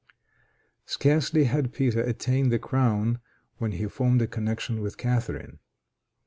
Scarcely had Peter attained the crown when he formed a connection with Catharine.